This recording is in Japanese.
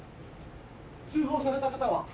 通報された方は？